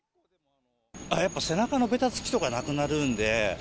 やっぱ背中のべたつきとかなくなるんで。